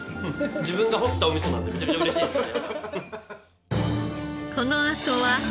自分が掘ったお味噌なんでむちゃくちゃ嬉しいですね。